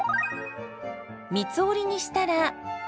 三つ折りにしたら。